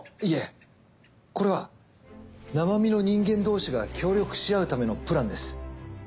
いえこれは生身の人間同士が協力し合うためのプランです。